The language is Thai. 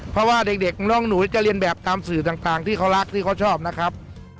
เพราะว่าเด็กน้องหนูจะเรียนแบบตามสื่อต่างที่เขารักที่เขาชอบนะครับ